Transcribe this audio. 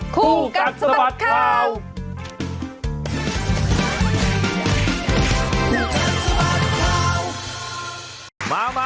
คู่กัดสะบัดข่าว